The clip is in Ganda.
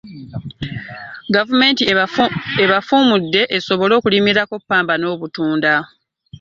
Gavumenti ebafuumudde esobole okulimirako ppamba n'obutunda.